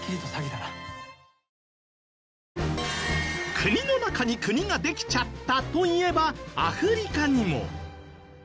国の中に国ができちゃったといえばアフリカにも。